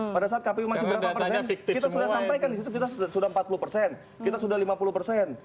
pada saat kpu masih berapa persen kita sudah sampaikan di situ kita sudah empat puluh persen kita sudah lima puluh persen